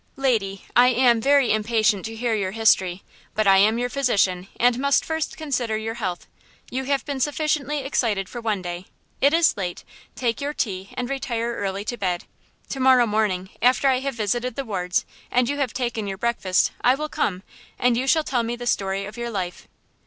"Lady, I am very impatient to hear your history, but I am your physician, and must first consider your health. You have been sufficiently excited for one day; it is late; take your tea and retire early to bed. To morrow morning, after I have visited the wards and you have taken your breakfast, I will come, and you shall tell me the story of your life."